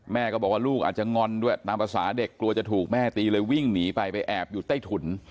แม่ก็บอกว่าลูกอาจจะงอนด้วยตามภาษาเด็กกลัวจะถูกแม่ตีเลยวิ่งหนีไปไปแอบอยู่ใต้ถุน